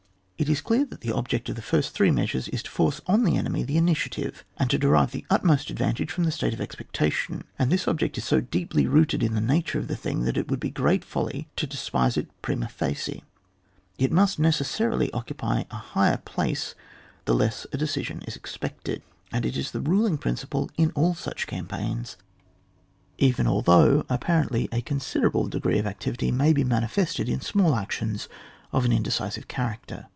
It is clear that the object of the first three measures is to force on the enemy the initiative, and to derive the utmost advantage from the state of expectation, and this object is so deeply rooted in the nature of the thing that it would be great folly to despise it prima facie. It must necessarily occupy a higher place the less a decision is expected, and it is the ruling principle in all such campaigns, CHAP. XXX.] DEFENCE OF A THEATRE* OF WAR. 195^ even although, apparently, a considerable degree of activity may be manifested in small actions of an indecisive character.